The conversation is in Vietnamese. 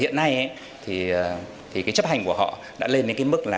hiện nay chấp hành của họ đã lên đến mức tám mươi năm